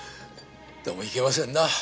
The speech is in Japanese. どうもいけませんなぁ。